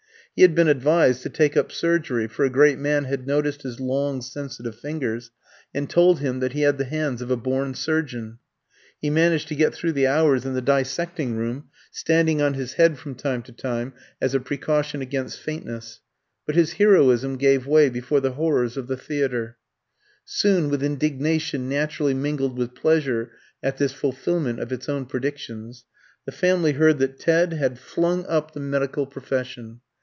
He had been advised to take up surgery, for a great man had noticed his long sensitive fingers, and told him that he had the hands of a born surgeon. He managed to get through the hours in the dissecting room, standing on his head from time to time as a precaution against faintness; but his heroism gave way before the horrors of the theatre. Soon, with indignation naturally mingled with pleasure at this fulfilment of its own predictions, the family heard that Ted had flung up the medical profession.